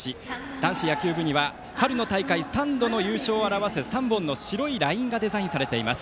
男子野球部には春の大会３度の優勝を表す３本の白いラインがデザインされています。